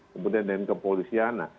kemudian dengan kepolisian